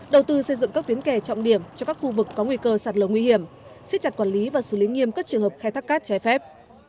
đầu tư xây dựng các tuyến kè trọng điểm cho các khu vực có nguy cơ sạt lở nguy hiểm xích chặt quản lý và xử lý nghiêm cất trường hợp khai thác cát trái phép